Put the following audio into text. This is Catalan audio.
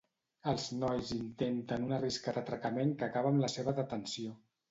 Els nois intenten un arriscat atracament que acaba amb la seva detenció.